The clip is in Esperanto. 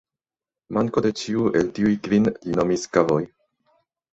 Manko de ĉiu el tiuj kvin li nomis "kavoj".